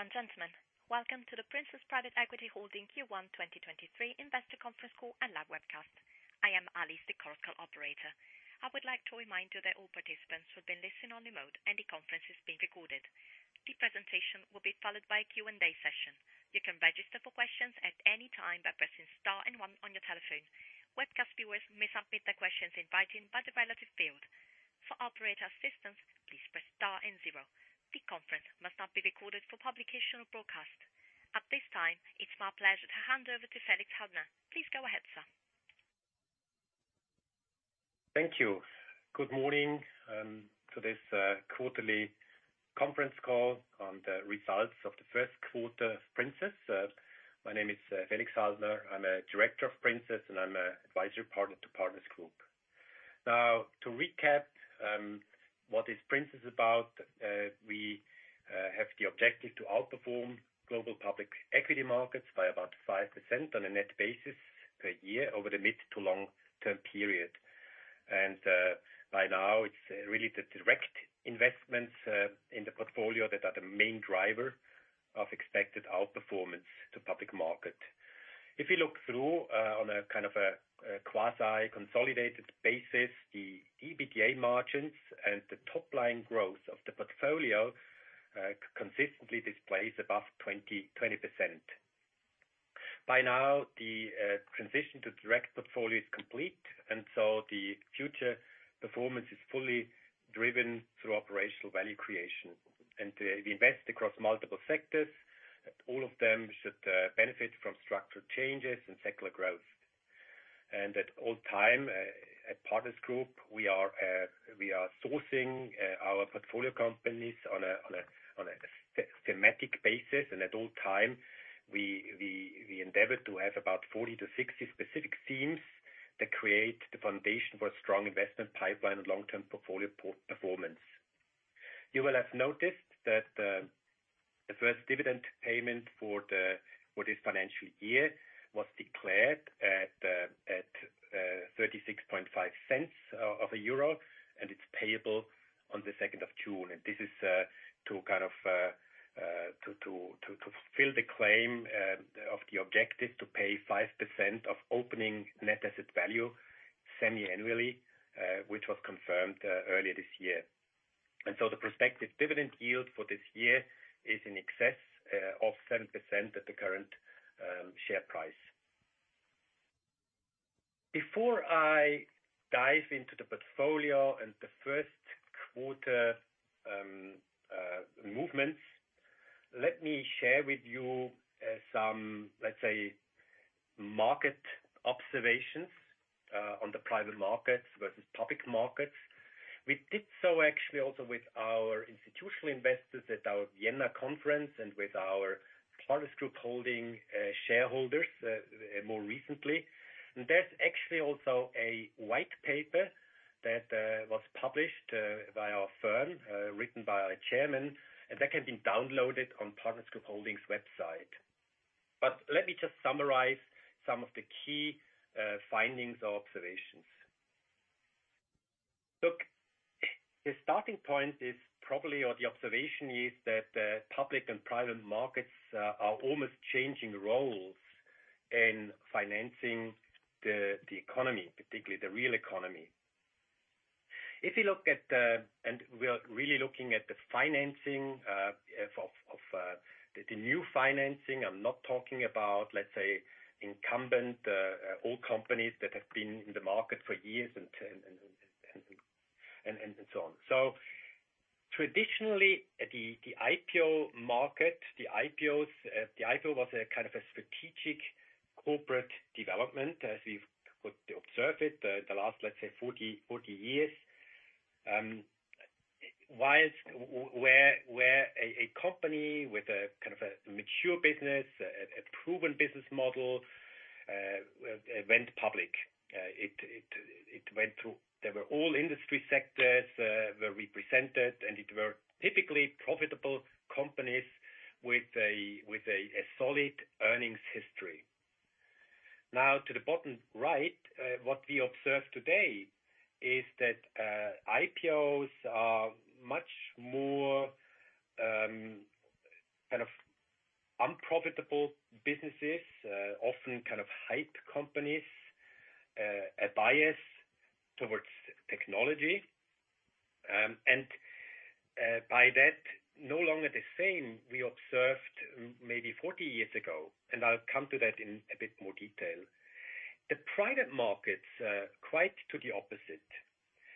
Ladies and gentlemen, welcome to the Princess Private Equity Holding Q1 2023 investor conference call and live webcast. I am Alice, the core call operator. I would like to remind you that all participants will be in listen only mode. The conference is being recorded. The presentation will be followed by a Q&A session. You can register for questions at any time by pressing * one on your telephone. Webcast viewers may submit their questions in writing by the relative field. For operator assistance, please press * zero. The conference must not be recorded for publication or broadcast. At this time, it's my pleasure to hand over to Felix Halmer. Please go ahead, sir. Thank you. Good morning, to this quarterly conference call on the results of the first quarter of Princess. My name is Felix Halmer. I'm a director of Princess, and I'm a advisory partner to Partners Group. To recap, what is Princess about, we have the objective to outperform global public equity markets by about 5% on a net basis per year over the mid to long term period. By now it's really the direct investments in the portfolio that are the main driver of expected outperformance to public market. If you look through, on a kind of a quasi-consolidated basis, the EBITDA margins and the top line growth of the portfolio, consistently displays above 20%. By now, the transition to direct portfolio is complete. The future performance is fully driven through operational value creation. We invest across multiple sectors. All of them should benefit from structural changes and secular growth. At all time, at Partners Group, we are sourcing our portfolio companies on a thematic basis. At all time, we endeavor to have about 40 to 60 specific themes that create the foundation for a strong investment pipeline and long-term portfolio performance. You will have noticed that the first dividend payment for this financial year was declared at EUR 0.365, and it's payable on the second of June. This is to kind of to fill the claim of the objective to pay 5% of opening net asset value semi-annually, which was confirmed earlier this year. The prospective dividend yield for this year is in excess of 7% at the current share price. Before I dive into the portfolio and the first quarter movements, let me share with you some, let's say, market observations on the private markets versus public markets. We did so actually also with our institutional investors at our Vienna conference and with our Partners Group Holding shareholders more recently. There's actually also a white paper that was published by our firm, written by our chairman, and that can be downloaded on Partners Group Holding's website. Let me just summarize some of the key findings or observations. Look, the starting point is probably or the observation is that public and private markets are almost changing roles in financing the economy, particularly the real economy. If you look at, and we are really looking at the financing of the new financing. I'm not talking about, let's say, incumbent old companies that have been in the market for years and so on. Traditionally, the IPO market, the IPOs, the IPO was a kind of a strategic corporate development as we've observed it the last, let's say 40 years. Whilst where a company with a kind of a mature business, a proven business model, went public. It went through... There were all industry sectors were represented, and it were typically profitable companies with a solid earnings history. Now to the bottom right, what we observe today is that IPOs are much more kind of unprofitable businesses, often kind of hype companies, a bias towards technology, and by that no longer the same we observed maybe 40 years ago. I'll come to that in a bit more detail. The private markets, quite to the opposite.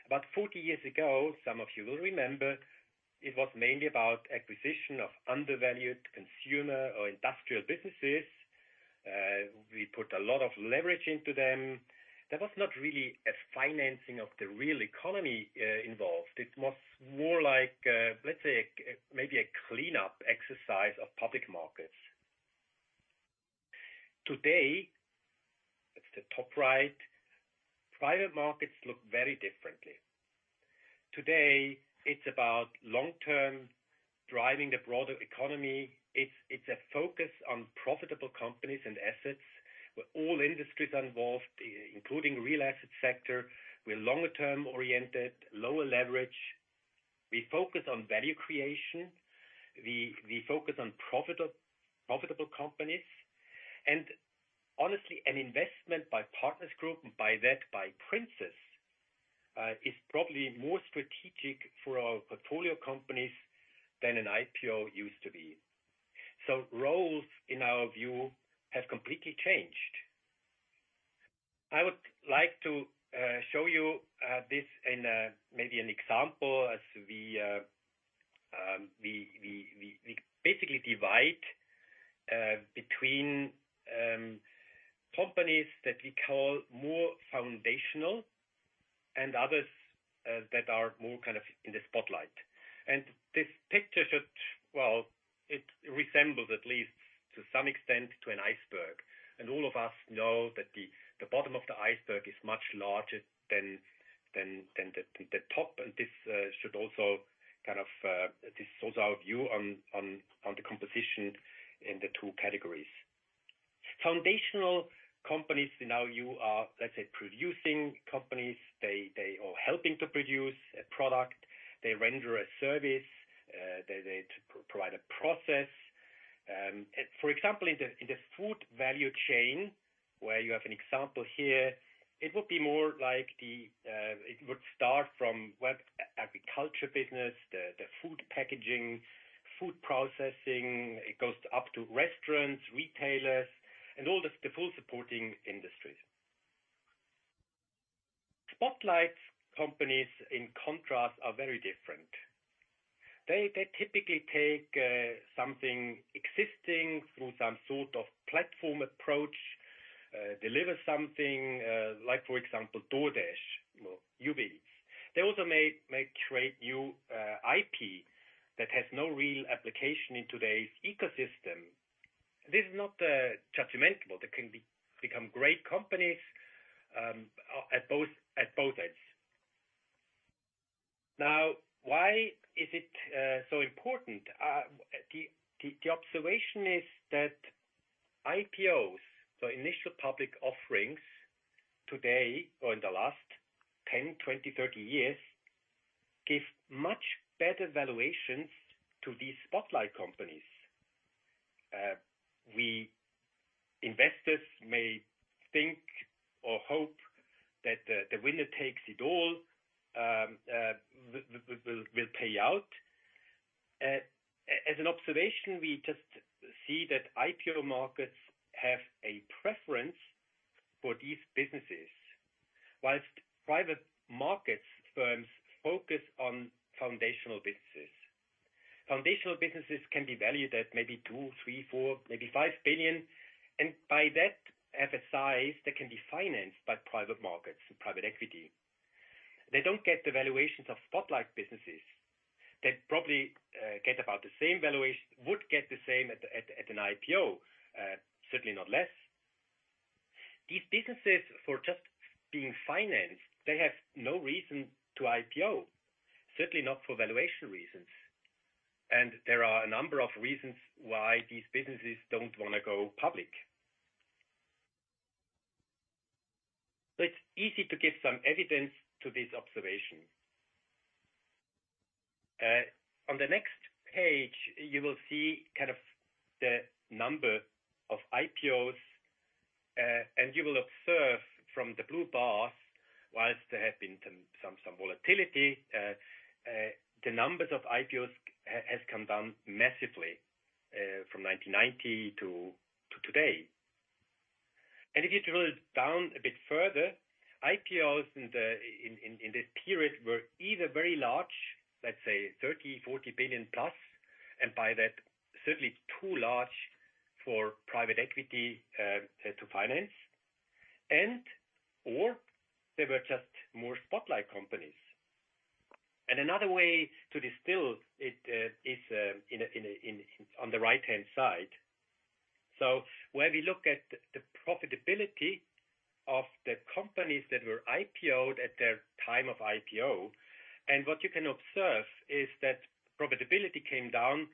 About 40 years ago, some of you will remember, it was mainly about acquisition of undervalued consumer or industrial businesses. We put a lot of leverage into them. There was not really a financing of the real economy involved. It was more like, let's say maybe a cleanup exercise of public markets. Today, it's the top right. Private markets look very differently. Today, it's about long-term driving the broader economy. It's a focus on profitable companies and assets. All industries are involved, including real asset sector. We're longer term-oriented, lower leverage. We focus on value creation. We focus on profitable companies. Honestly, an investment by Partners Group, and by that by Princess, is probably more strategic for our portfolio companies than an IPO used to be. Roles, in our view, have completely changed. I would like to show you this in maybe an example as we basically divide between companies that we call more foundational and others that are more kind of in the spotlight. Well, it resembles at least to some extent to an iceberg. All of us know that the bottom of the iceberg is much larger than the top. This shows our view on the composition in the two categories. Foundational companies in our view are, let's say, producing companies. They are helping to produce a product. They render a service. They provide a process. For example, in the food value chain, where you have an example here, it would be more like it would start from, well, agriculture business, the food packaging, food processing. It goes up to restaurants, retailers, and all the full supporting industries. Spotlight companies, in contrast, are very different. They typically take something existing through some sort of platform approach, deliver something, like for example, DoorDash or Uber Eats. They also may create new IP that has no real application in today's ecosystem. This is not judgmental. They can become great companies at both ends. Why is it so important? The observation is that IPOs, so initial public offerings today or in the last 10, 20, 30 years, give much better valuations to these spotlight companies. We investors may think or hope that the winner takes it all will pay out. As an observation, we just see that IPO markets have a preference for these businesses, whilst private markets firms focus on foundational businesses. Foundational businesses can be valued at maybe 2 billion, 3 billion, 4 billion, maybe 5 billion. By that, at the size, they can be financed by private markets and private equity. They don't get the valuations of spotlight businesses. They probably get about the same valuation, would get the same at, at an IPO, certainly not less. These businesses, for just being financed, they have no reason to IPO, certainly not for valuation reasons. There are a number of reasons why these businesses don't wanna go public. It's easy to give some evidence to this observation. On the next page, you will see kind of the number of IPOs. You will observe from the blue bars, whilst there have been some volatility, the numbers of IPOs has come down massively, from 1990 to today. If you drill down a bit further, IPOs in this period were either very large, let's say 30 billion, 40 billion plus, and by that, certainly too large for private equity to finance, and/or they were just more spotlight companies. Another way to distill it is on the right-hand side. Where we look at the profitability of the companies that were IPO'd at their time of IPO, and what you can observe is that profitability came down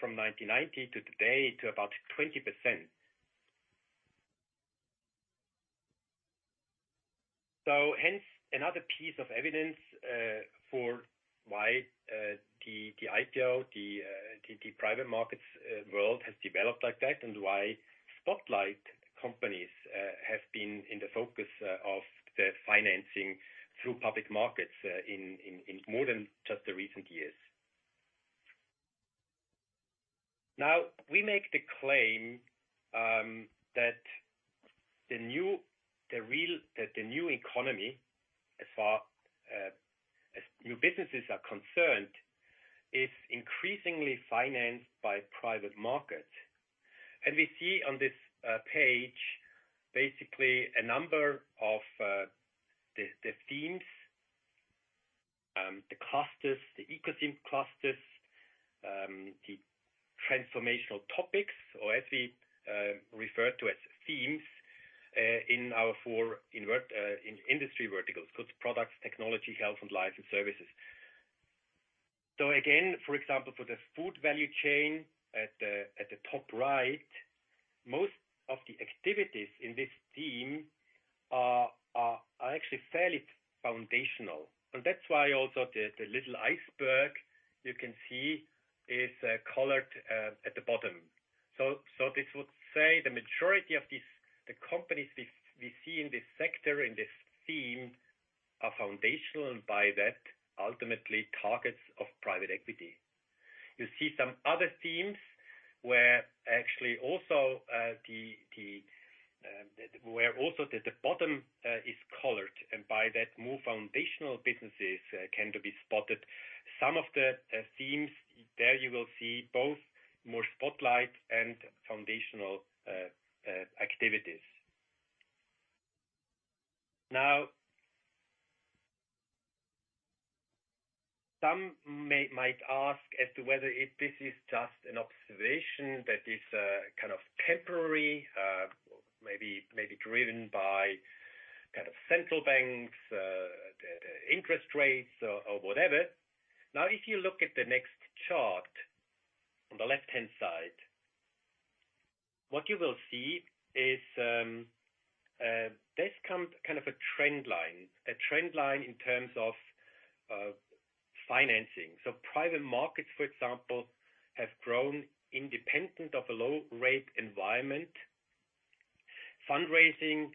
from 1990 to today to about 20%. Hence, another piece of evidence for why the IPO, the private markets world has developed like that, and why spotlight companies have been in the focus of the financing through public markets in more than just the recent years. Now, we make the claim that the new economy, as far as new businesses are concerned, is increasingly financed by private markets. We see on this page, basically a number of the themes, the clusters, the ecosystem clusters, the transformational topics, or as we refer to as themes, in our four in-industry verticals: goods products, technology, health and life, and services. Again, for example, for the food value chain at the top right, most of the activities in this theme are actually fairly foundational. That's why also the little iceberg you can see is colored at the bottom. This would say the majority of the companies we see in this sector, in this theme, are foundational, and by that ultimately targets of private equity. You see some other themes where actually also the bottom is colored, and by that more foundational businesses can be spotted. Some of the themes there you will see both more spotlight and foundational activities. Some might ask as to whether if this is just an observation that is kind of temporary, maybe driven by kind of central banks, the interest rates or whatever. If you look at the next chart on the left-hand side, what you will see is, there's come kind of a trend line. A trend line in terms of financing. Private markets, for example, have grown independent of a low rate environment. Fundraising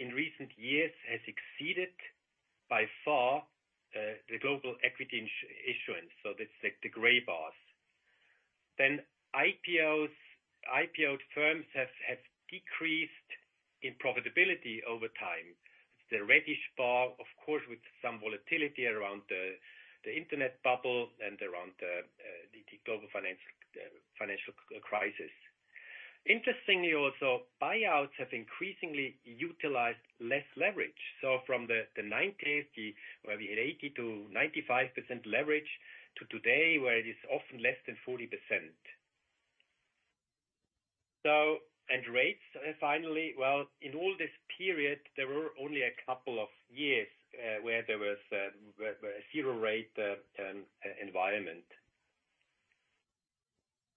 in recent years has exceeded by far the global equity issuance, so that's like the gray bars. IPOs, IPO firms have decreased in profitability over time. The reddish bar, of course, with some volatility around the internet bubble and around the global financial crisis. Interestingly also, buyouts have increasingly utilized less leverage. From the nineties, where we had 80%-95% leverage, to today, where it is often less than 40%. Rates, finally, well, in all this period, there were only a couple of years where there was a zero rate environment.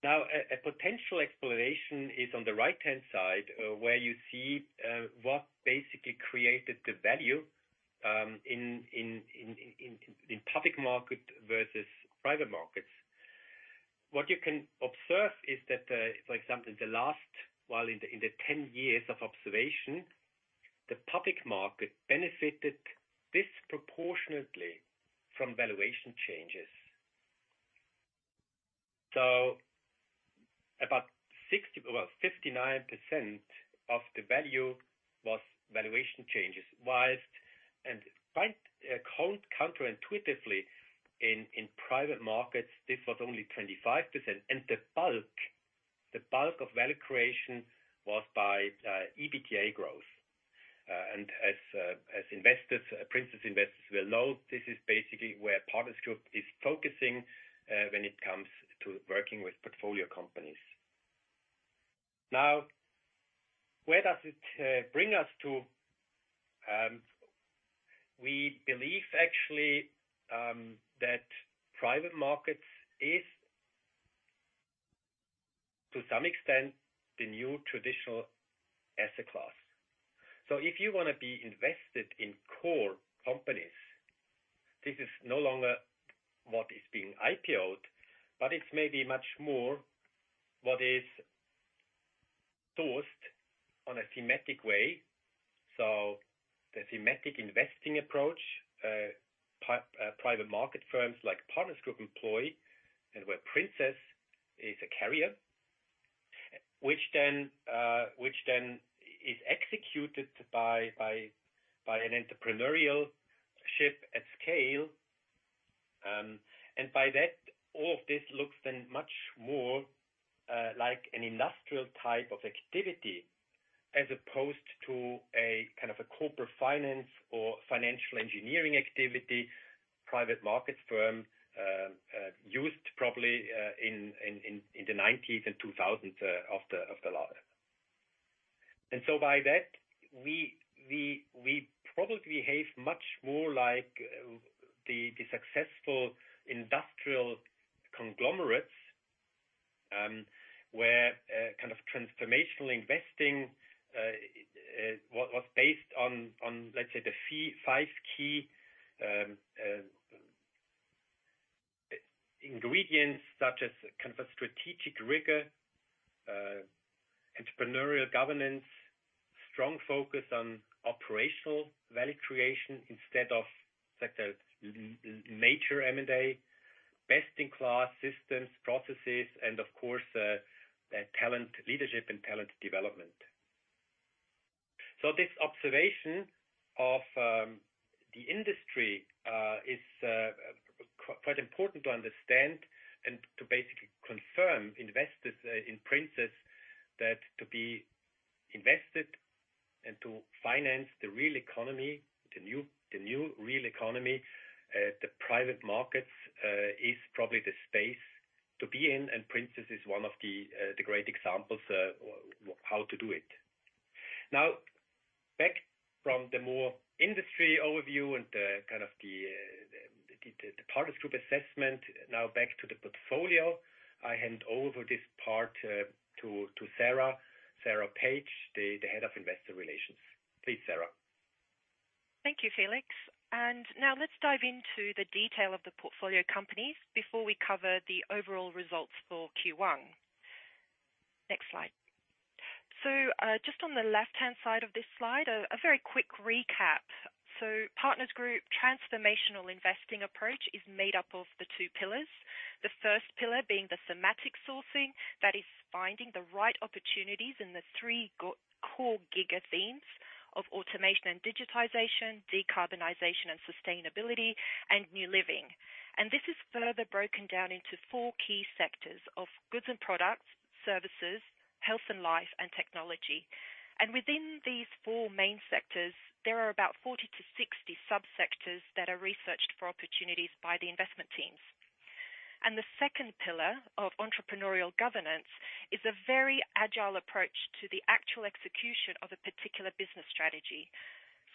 A potential explanation is on the right-hand side, where you see what basically created the value in public market versus private markets. What you can observe is that, for example, in the last. while in the 10 years of observation, the public market benefited disproportionately from valuation changes. About 59% of the value was valuation changes, whilst and quite counterintuitively in private markets, this was only 25%. The bulk of value creation was by EBITDA growth. And as investors, Princess investors will know, this is basically where Partners Group is focusing when it comes to working with portfolio companies. Where does it bring us to? We believe actually that private markets is to some extent the new traditional asset class. If you wanna be invested in core companies, this is no longer what is being IPOed, but it's maybe much more what is sourced on a thematic way. The thematic investing approach, private market firms like Partners Group employ and where Princess is a carrier, which then is executed by an entrepreneurial ship at scale. By that, all of this looks then much more like an industrial type of activity as opposed to a kind of a corporate finance or financial engineering activity private markets firm used probably in the 1990s and 2000s of the latter. By that, we probably behave much more like the successful industrial conglomerates, where transformational investing was based on, let's say the five key ingredients such as a strategic rigor, entrepreneurial governance, strong focus on operational value creation instead of like a major M&A, best in class systems, processes, and of course, talent leadership and talent development. This observation of the industry is quite important to understand and to basically confirm investors in Princess that to be invested and to finance the real economy, the new real economy, the private markets is probably the space to be in, and Princess is one of the great examples how to do it. Now back from the more industry overview and kind of the Partners Group assessment. Now back to the portfolio. I hand over this part to Sarah. Sarah Page, the head of investor relations. Please, Sarah. Thank you, Felix. Now let's dive into the detail of the portfolio companies before we cover the overall results for Q1. Next slide. Just on the left-hand side of this slide, a very quick recap. Partners Group transformational investing approach is made up of the two pillars. The first pillar being the thematic sourcing, that is finding the right opportunities in the three core giga-themes of Digitization & Automation, Decarbonization & Sustainability, and New Living. This is further broken down into four key sectors of goods and products, services, health and life, and technology. Within these four main sectors, there are about 40 to 60 subsectors that are researched for opportunities by the investment teams. The second pillar of entrepreneurial governance is a very agile approach to the actual execution of a particular business strategy.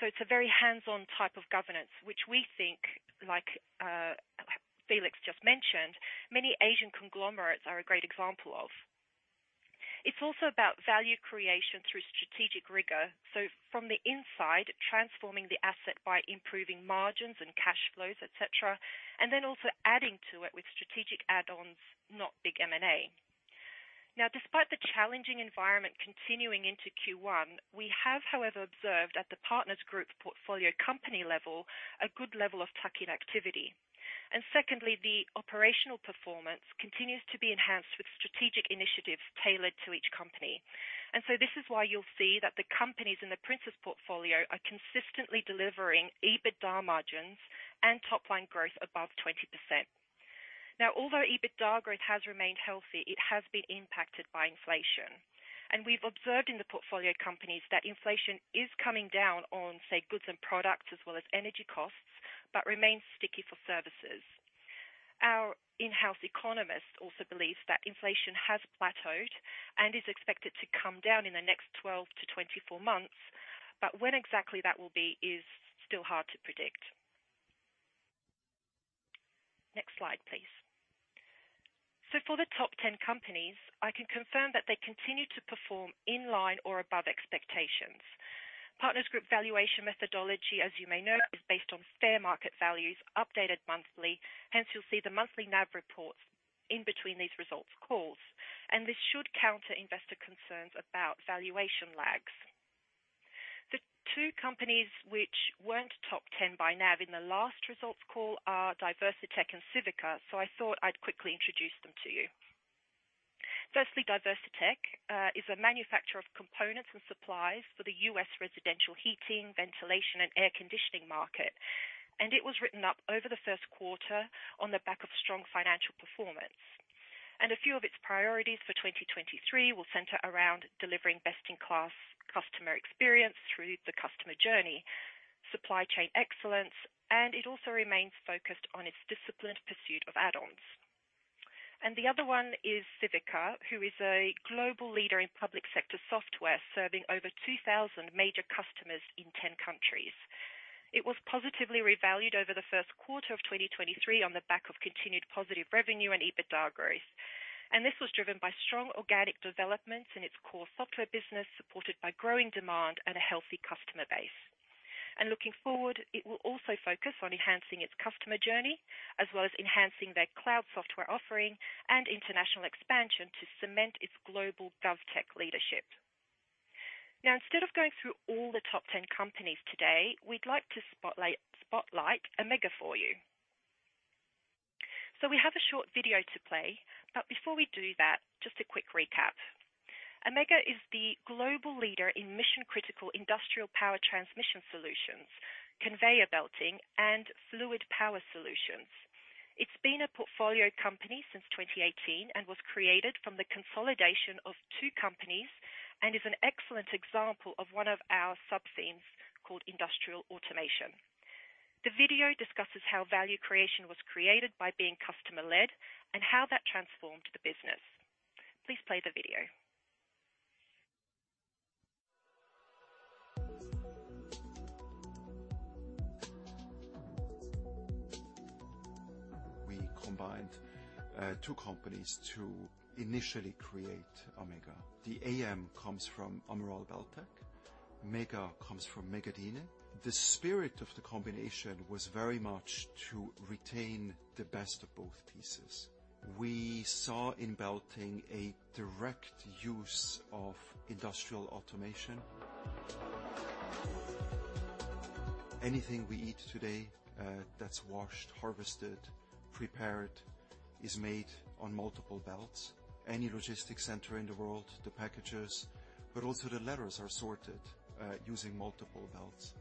It's a very hands-on type of governance, which we think like Felix just mentioned, many Asian conglomerates are a great example of. It's also about value creation through strategic rigor. From the inside, transforming the asset by improving margins and cash flows, et cetera, and then also adding to it with strategic add-ons, not big M&A. Despite the challenging environment continuing into Q1, we have, however, observed at the Partners Group portfolio company level a good level of tuck-in activity. Secondly, the operational performance continues to be enhanced with strategic initiatives tailored to each company. This is why you'll see that the companies in the Princess' portfolio are consistently delivering EBITDA margins and top-line growth above 20%. Although EBITDA growth has remained healthy, it has been impacted by inflation. We've observed in the portfolio companies that inflation is coming down on, say, goods and products as well as energy costs, but remains sticky for services. Our in-house economist also believes that inflation has plateaued and is expected to come down in the next 12-24 months, but when exactly that will be is still hard to predict. Next slide, please. For the top 10 companies, I can confirm that they continue to perform in line or above expectations. Partners Group valuation methodology, as you may know, is based on fair market values updated monthly. Hence, you'll see the monthly NAV reports in between these results calls, and this should counter investor concerns about valuation lags. The two companies which weren't top 10 by NAV in the last results call are DiversiTech and Civica, so I thought I'd quickly introduce them to you. Firstly, DiversiTech is a manufacturer of components and supplies for the U.S. residential heating, ventilation, and air conditioning market. It was written up over the first quarter on the back of strong financial performance. A few of its priorities for 2023 will center around delivering best-in-class customer experience through the customer journey, supply chain excellence, and it also remains focused on its disciplined pursuit of add-ons. The other one is Civica, who is a global leader in public sector software, serving over 2,000 major customers in 10 countries. It was positively revalued over the first quarter of 2023 on the back of continued positive revenue and EBITDA growth. This was driven by strong organic developments in its core software business, supported by growing demand and a healthy customer base. Looking forward, it will also focus on enhancing its customer journey, as well as enhancing their cloud software offering and international expansion to cement its global GovTech leadership. Instead of going through all the top 10 companies today, we'd like to spotlight AMMEGA for you. We have a short video to play, but before we do that, just a quick recap. AMMEGA is the global leader in mission-critical industrial power transmission solutions, conveyor belting, and fluid power solutions. It's been a portfolio company since 2018 and was created from the consolidation of two companies, and is an excellent example of one of our subthemes called industrial automation. The video discusses how value creation was created by being customer-led and how that transformed the business. Please play the video. We combined two companies to initially create AMMEGA. The AM comes from Ammeraal Beltech, Mega comes from Megadyne. The spirit of the combination was very much to retain the best of both pieces. We saw in belting a direct use of industrial automation. Anything we eat today that's washed, harvested, prepared is made on multiple belts. Any logistics center in the world, the packages, but also the letters are sorted using multiple belts.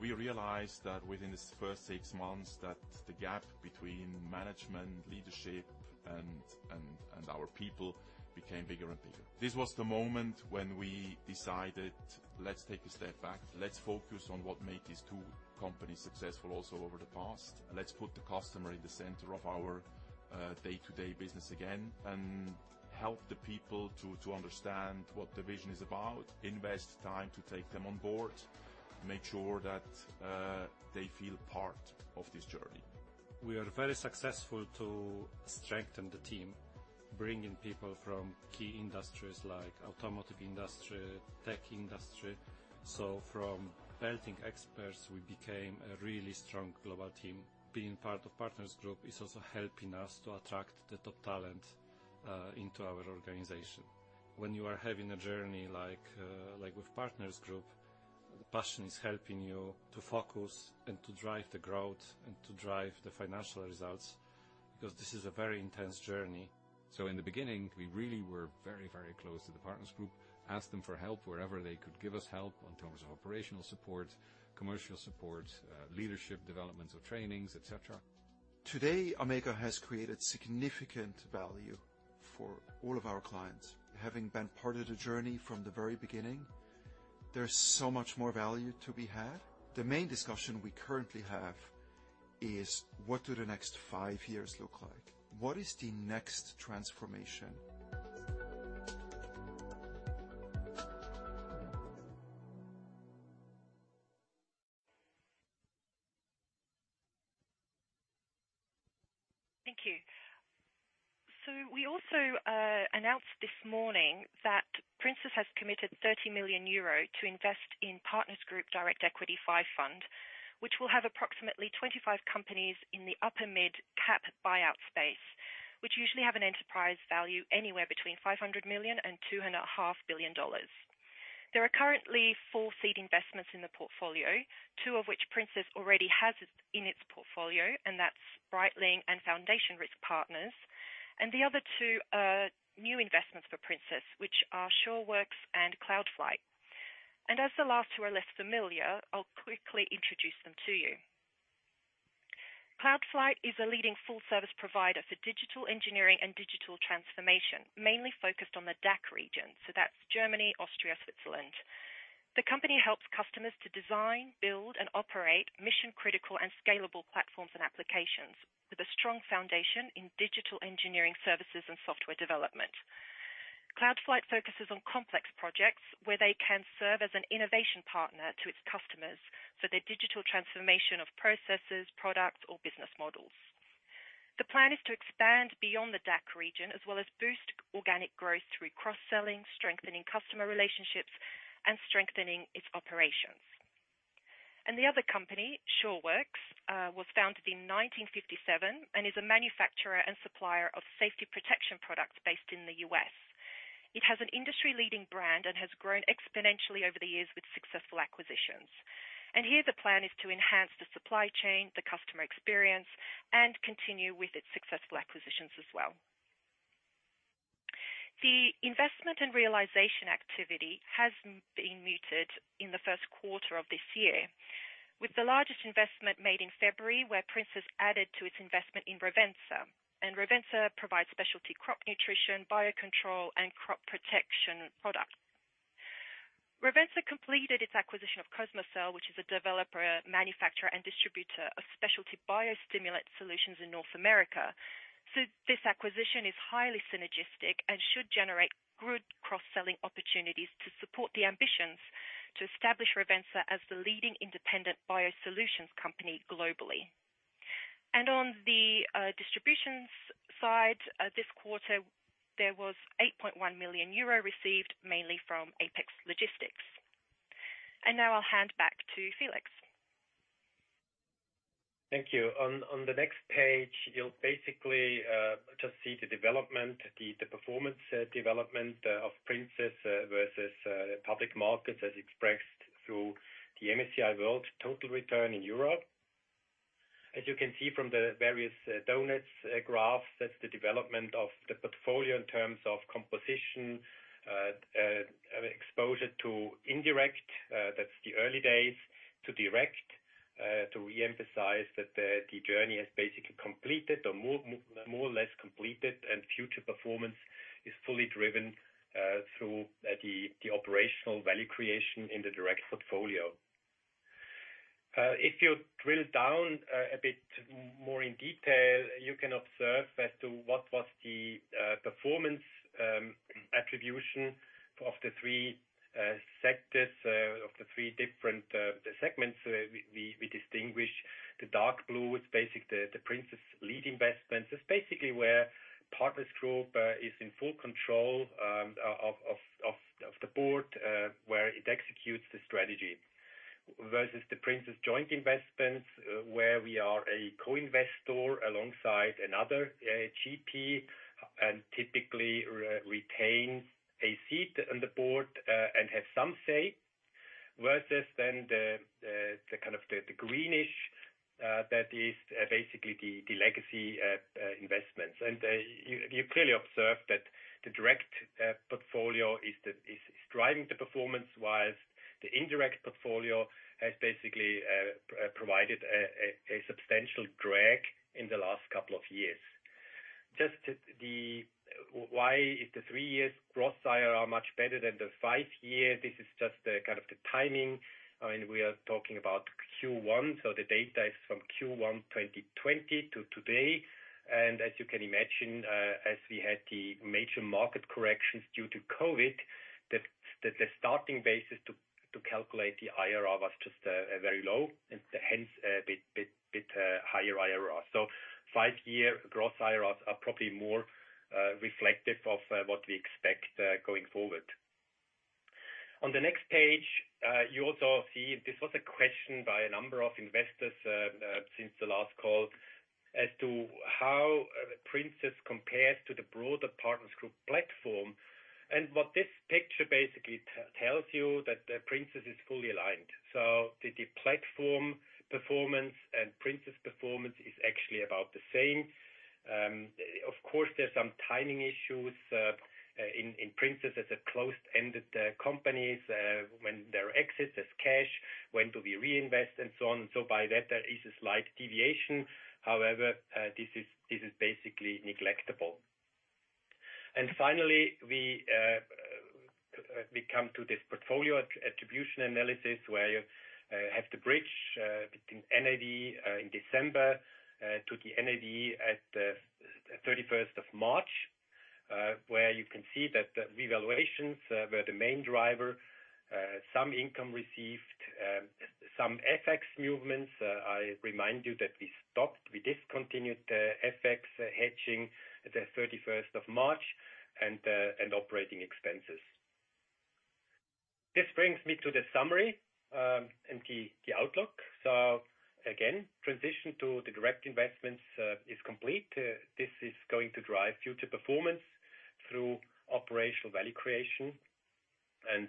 We realized that within the first six months that the gap between management, leadership, and our people became bigger and bigger. This was the moment when we decided, let's take a step back. Let's focus on what made these two companies successful also over the past. Let's put the customer in the center of our day-to-day business again. Help the people to understand what the vision is about, invest time to take them on board, make sure that they feel part of this journey. We are very successful to strengthen the team, bringing people from key industries like automotive industry, tech industry. From helping experts, we became a really strong global team. Being part of Partners Group is also helping us to attract the top talent into our organization. When you are having a journey like with Partners Group, passion is helping you to focus and to drive the growth and to drive the financial results, because this is a very intense journey. In the beginning, we really were very, very close to the Partners Group, asked them for help wherever they could give us help in terms of operational support, commercial support, leadership development or trainings, et cetera. Today, AMMEGA has created significant value for all of our clients. Having been part of the journey from the very beginning, there's so much more value to be had. The main discussion we currently have is, what do the next five years look like? What is the next transformation? Thank you. We also announced this morning that Princess has committed 30 million euro to invest in Partners Group Direct Equity V, which will have approximately 25 companies in the upper mid cap buyout space. Which usually have an enterprise value anywhere between $500 million and $2.5 billion. There are currently 4 seed investments in the portfolio, 2 of which Princess already has in its portfolio, and that's Breitling and Foundation Risk Partners. The other 2 are new investments for Princess, which are SureWerx and Cloudflight. As the last 2 are less familiar, I'll quickly introduce them to you. Cloudflight is a leading full service provider for digital engineering and digital transformation, mainly focused on the DACH region, so that's Germany, Austria, Switzerland. The company helps customers to design, build and operate mission-critical and scalable platforms and applications with a strong foundation in digital engineering services and software development. Cloudflight focuses on complex projects where they can serve as an innovation partner to its customers for their digital transformation of processes, products or business models. The plan is to expand beyond the DACH region as well as boost organic growth through cross-selling, strengthening customer relationships, and strengthening its operations. The other company, SureWerx, was founded in 1957 and is a manufacturer and supplier of safety protection products based in the U.S. It has an industry-leading brand and has grown exponentially over the years with successful acquisitions. Here the plan is to enhance the supply chain, the customer experience and continue with its successful acquisitions as well. The investment and realization activity has been muted in the first quarter of this year, with the largest investment made in February, where Princess added to its investment in Rovensa. Rovensa provides specialty crop nutrition, biocontrol, and crop protection products. Rovensa completed its acquisition of Cosmocel, which is a developer, manufacturer, and distributor of specialty biostimulant solutions in North America. This acquisition is highly synergistic and should generate good cross-selling opportunities to support the ambitions to establish Rovensa as the leading independent biosolutions company globally. On the distributions side, this quarter, there was 8.1 million euro received mainly from Apex Logistics. Now I'll hand back to Felix. Thank you. On the next page, you'll basically just see the performance development of Princess versus public markets as expressed through the MSCI World Total Return in Europe. As you can see from the various donuts graphs, that's the development of the portfolio in terms of composition, exposure to indirect, that's the early days, to direct, to reemphasize that the journey is basically completed or more or less completed, and future performance is fully driven through the operational value creation in the direct portfolio. If you drill down a bit more in detail, you can observe as to what was the performance attribution of the three sectors, of the three different segments we distinguish. The dark blue is basically the Princess' lead investments. It's basically where Partners Group is in full control of the board, where it executes the strategy. Versus the Princess' joint investments, where we are a co-investor alongside another GP and typically retains a seat on the board and have some say, versus the kind of the greenish that is basically the legacy investments. You clearly observe that the direct portfolio is driving the performance-wise. The indirect portfolio has basically provided a substantial drag in the last couple of years. Just the, why is the 3 years gross IRR much better than the 5 year? This is just the kind of the timing. I mean, we are talking about Q1 so the data is from Q1 2020 to today. As you can imagine, as we had the major market corrections due to COVID, that the starting basis to calculate the IRR was just very low and hence a bit higher IRR. 5-year gross IRRs are probably more reflective of what we expect going forward. On the next page, you also see this was a question by a number of investors since the last call as to how the Princess compares to the broader Partners Group platform. What this picture basically tells you that the Princess is fully aligned. The platform performance and Princess performance is actually about the same. Of course there's some timing issues in Princess as a closed-ended companies when there exits as cash, when do we reinvest and so on. By that there is a slight deviation. However, this is basically neglectable. Finally, we come to this portfolio at-attribution analysis where you have to bridge between NAV in December to the NAV at the 31st of March, where you can see that the revaluations were the main driver, some income received, some FX movements. I remind you that we discontinued the FX hedging at the 31st of March and operating expenses. This brings me to the summary and the outlook. Again, transition to the direct investments is complete. This is going to drive future performance through operational value creation.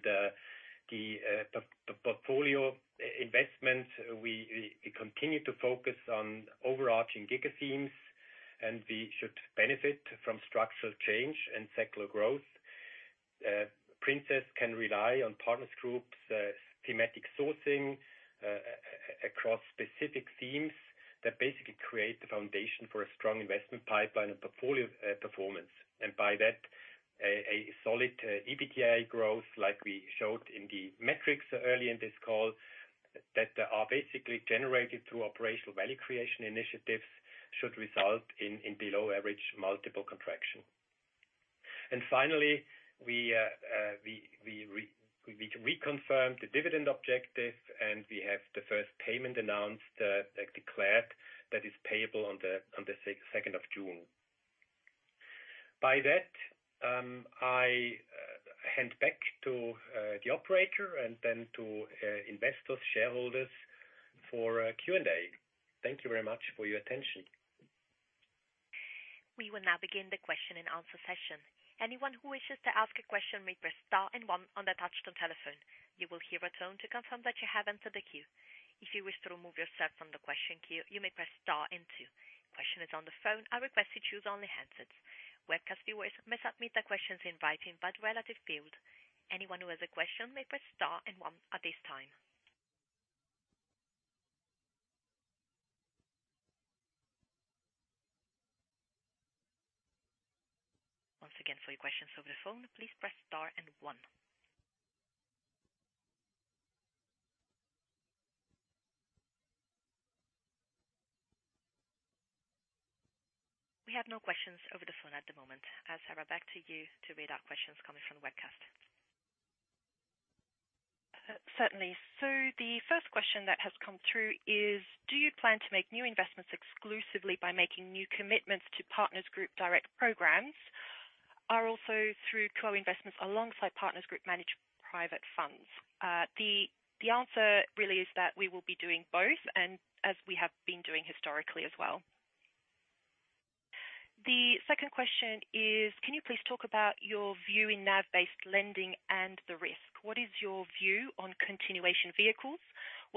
The portfolio investments, we continue to focus on overarching giga-themes, and we should benefit from structural change and secular growth. Princess can rely on Partners Group's thematic sourcing across specific themes that basically create the foundation for a strong investment pipeline and portfolio performance. By that a solid EBITDA growth like we showed in the metrics early in this call that are basically generated through operational value creation initiatives should result in below average multiple contraction. Finally, we reconfirm the dividend objective, and we have the first payment announced like declared that is payable on the second of June. By that, I hand back to the operator and then to investors, shareholders for Q&A. Thank you very much for your attention. We will now begin the question and answer session. Anyone who wishes to ask a question may press star and one on their touchtone telephone. You will hear a tone to confirm that you have entered the queue. If you wish to remove yourself from the question queue, you may press star and two. Question is on the phone. I request you choose only handsets. Webcast viewers may submit their questions in writing by the relative field. Anyone who has a question may press star and one at this time. Once again, for your questions over the phone, please press star and one. We have no questions over the phone at the moment. Sarah, back to you to read out questions coming from the webcast. Certainly. The first question that has come through is do you plan to make new investments exclusively by making new commitments to Partners Group direct programs are also through co-investments alongside Partners Group managed private funds? The answer really is that we will be doing both and as we have been doing historically as well. The second question is can you please talk about your view in NAV-based lending and the risk? What is your view on continuation vehicles?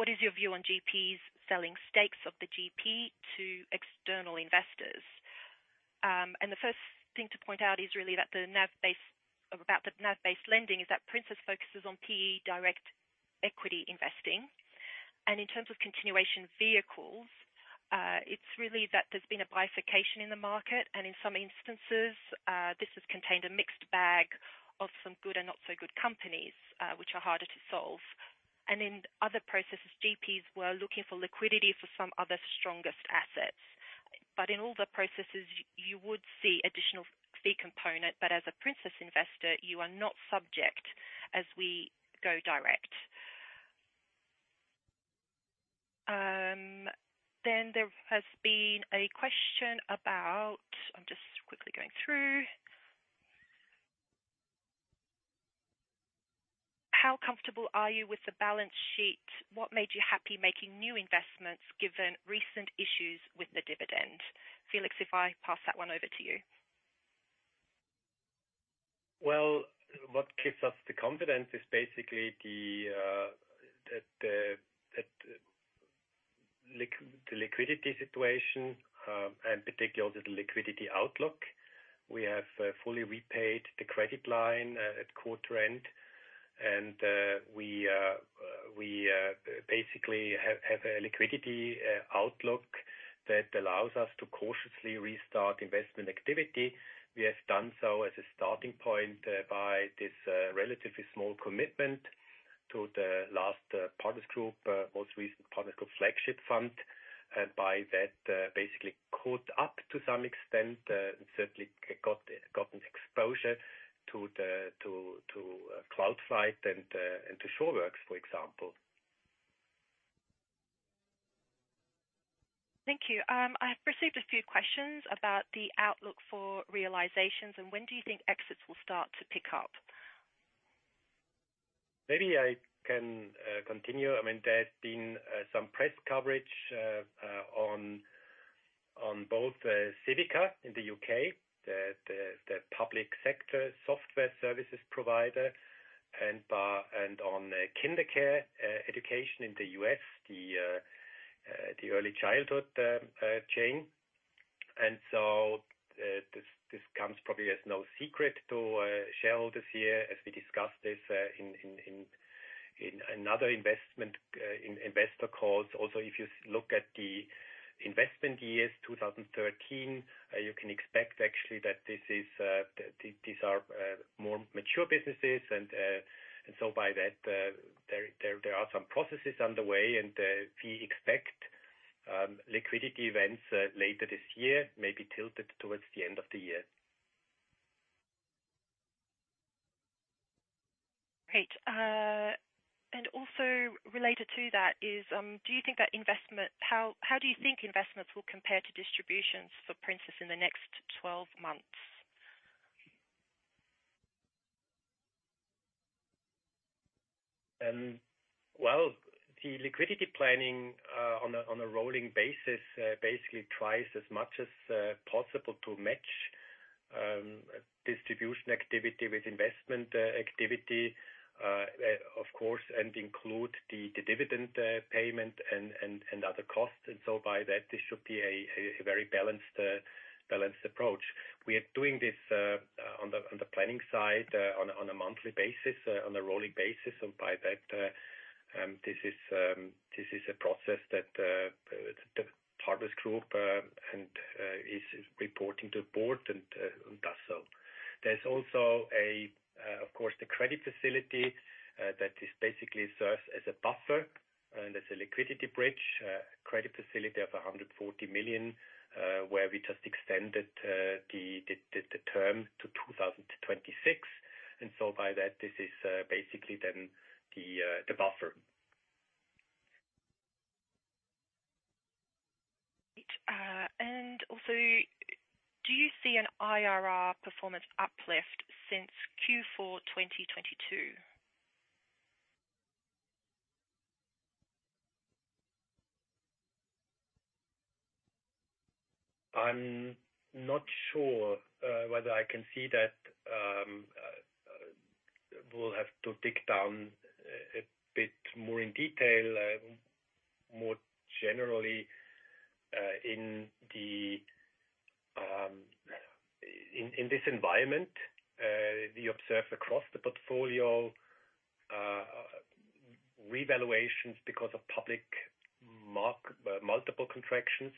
What is your view on GPs selling stakes of the GP to external investors? The first thing to point out is really that about the NAV-based lending is that Princess focuses on PE direct equity investing. In terms of continuation vehicles, it's really that there's been a bifurcation in the market, and in some instances, this has contained a mixed bag of some good and not so good companies, which are harder to solve. In other processes, GPs were looking for liquidity for some other strongest assets. In all the processes you would see additional fee component. As a Princess investor, you are not subject as we go direct. There has been a question about. I'm just quickly going through. How comfortable are you with the balance sheet? What made you happy making new investments given recent issues with the dividend? Felix, if I pass that one over to you. Well, what gives us the confidence is basically the liquidity situation, and particularly also the liquidity outlook. We have fully repaid the credit line at quarter end. We basically have a liquidity outlook that allows us to cautiously restart investment activity. We have done so as a starting point by this relatively small commitment to the last Partners Group, most recent Partners Group flagship fund. By that, basically caught up to some extent, certainly got an exposure to Cloudflight and to SureWerx, for example. Thank you. I've received a few questions about the outlook for realizations. When do you think exits will start to pick up? Maybe I can continue. I mean, there's been some press coverage on both Civica in the U.K., the public sector software services provider, and on childcare education in the U.S., the early childhood chain. This, this comes probably as no secret to shareholders here as we discussed this in another investment in investor calls. If you look at the investment years, 2013, you can expect actually that this is, these are more mature businesses. By that, there are some processes underway, and we expect liquidity events later this year may be tilted towards the end of the year. Great. Also related to that is, How do you think investments will compare to distributions for Princess in the next 12 months? Well, the liquidity planning on a rolling basis basically tries as much as possible to match distribution activity with investment activity, of course, and include the dividend payment and other costs. By that, this should be a very balanced approach. We are doing this on the planning side on a monthly basis on a rolling basis. By that, this is a process that the Partners Group and is reporting to Board and does so. There's also a, of course, the credit facility, that is basically serves as a buffer and as a liquidity bridge, credit facility of 140 million, where we just extended the term to 2026. By that, this is basically then the buffer. Do you see an IRR performance uplift since Q4 2022? I'm not sure whether I can see that. We'll have to dig down a bit more in detail. More generally, in this environment, we observe across the portfolio revaluations because of public multiple contractions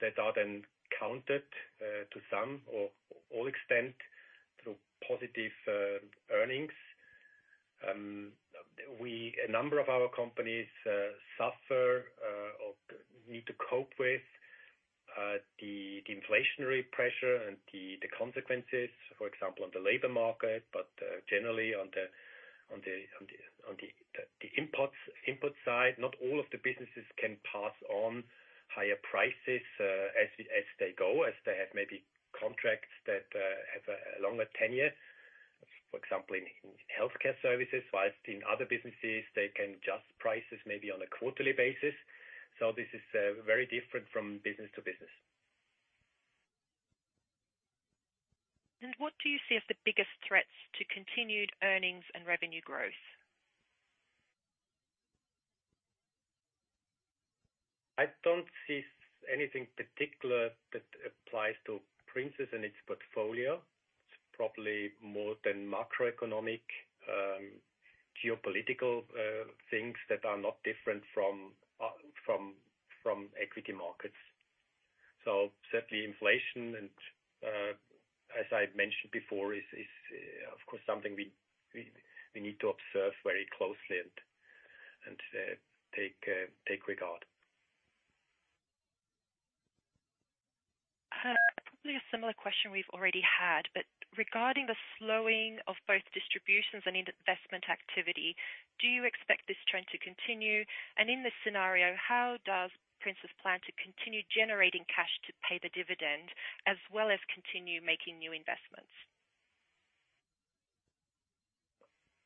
that are then counted to some or all extent through positive earnings. A number of our companies suffer or need to cope with the inflationary pressure and the consequences, for example, on the labor market, generally on the imports, input side. Not all of the businesses can pass on higher prices as they go, as they have maybe contracts that have a longer tenure, for example, in healthcare services, whilst in other businesses, they can adjust prices maybe on a quarterly basis. This is very different from business to business. What do you see as the biggest threats to continued earnings and revenue growth? I don't see anything particular that applies to Princess and its portfolio. It's probably more than macroeconomic, geopolitical things that are not different from equity markets. Certainly inflation and as I've mentioned before, is of course something we need to observe very closely and take regard. Probably a similar question we've already had, but regarding the slowing of both distributions and investment activity, do you expect this trend to continue? In this scenario, how does Princess plan to continue generating cash to pay the dividend as well as continue making new investments?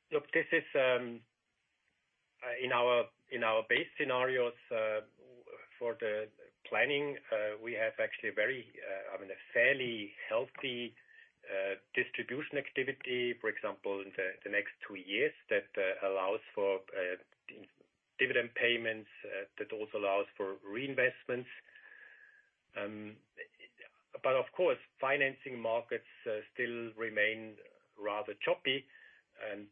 Look, this is, in our base scenarios for the planning, we have actually very, I mean, a fairly healthy distribution activity, for example, in the next two years that allows for dividend payments, that also allows for reinvestments. Of course, financing markets still remain rather choppy, and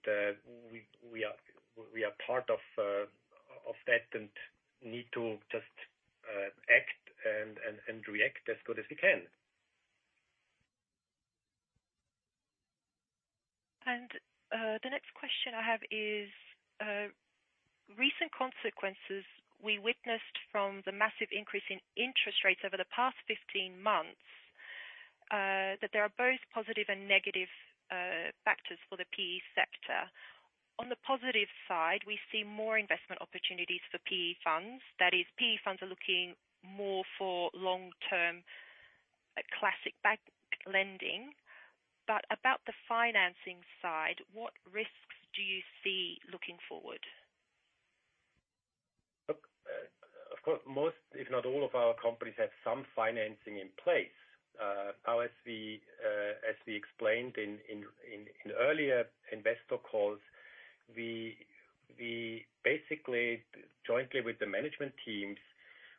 we are part of that and need to just act and react as good as we can. The next question I have is, recent consequences we witnessed from the massive increase in interest rates over the past 15 months, that there are both positive and negative factors for the PE sector. On the positive side, we see more investment opportunities for PE funds. That is, PE funds are looking more for long-term classic bank lending. About the financing side, what risks do you see looking forward? Look, of course, most, if not all of our companies have some financing in place. Now as we, as we explained in earlier investor calls, we basically jointly with the management teams,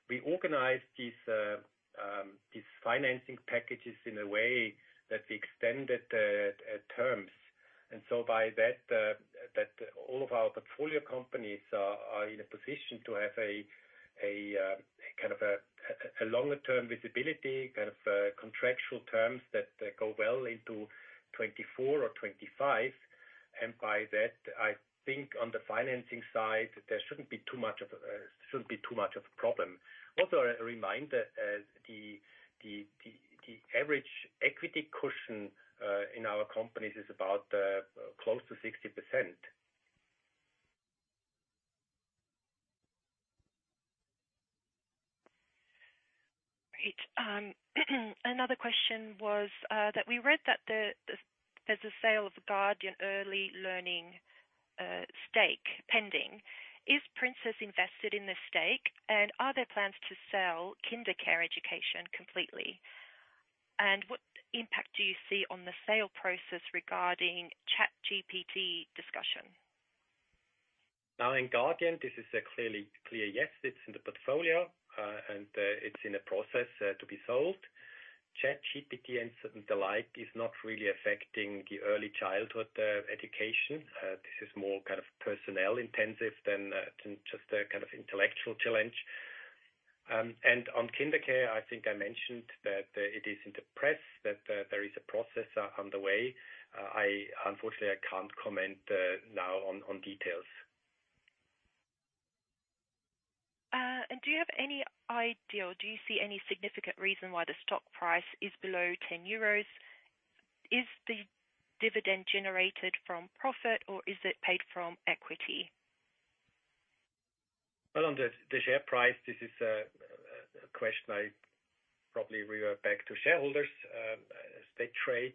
we organized these financing packages in a way that we extended the terms. By that all of our portfolio companies are in a position to have a kind of a longer term visibility, kind of contractual terms that go well into 2024 or 2025. By that, I think on the financing side, there shouldn't be too much of a problem. Also a reminder, the average equity cushion in our companies is about close to 60%. Great. Another question was that we read that there's a sale of Guardian Early Learning Group stake pending. Is Princess invested in the stake? Are there plans to sell KinderCare education completely? What impact do you see on the sale process regarding ChatGPT discussion? Now in Guardian, this is clearly, clear, yes. It's in the portfolio, and it's in a process to be sold. ChatGPT and the like is not really affecting the early childhood education. This is more kind of personnel intensive than just a kind of intellectual challenge. On KinderCare, I think I mentioned that it is in the press that there is a process underway. I unfortunately I can't comment now on details. Do you have any idea or do you see any significant reason why the stock price is below 10 euros? Is the dividend generated from profit or is it paid from equity? On the share price, this is a question I probably revert back to shareholders as they trade.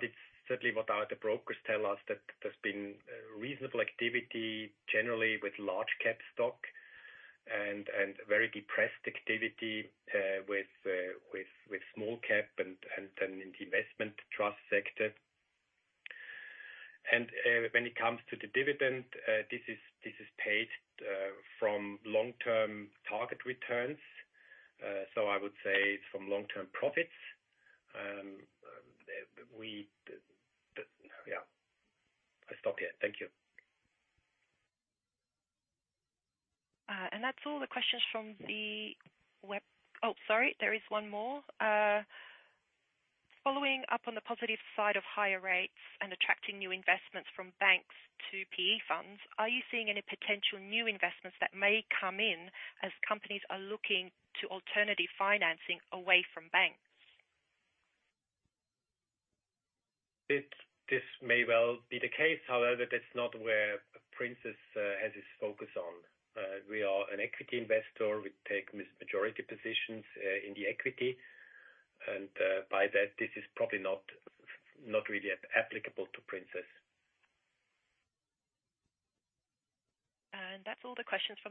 It's certainly what our, the brokers tell us that there's been reasonable activity generally with large cap stock and very depressed activity with small cap and investment trust sector. When it comes to the dividend, this is paid from long-term target returns. I would say it's from long-term profits. Yeah. I stop here. Thank you. That's all the questions from the web. Oh, sorry. There is one more. Following up on the positive side of higher rates and attracting new investments from banks to PE funds, are you seeing any potential new investments that may come in as companies are looking to alternative financing away from banks? This may well be the case, however, that's not where Princess has its focus on. We are an equity investor. We take majority positions in the equity, and by that this is probably not really applicable to Princess. That's all the questions from me.